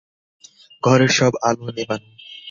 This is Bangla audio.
ঘরের সব আলো নেবানো।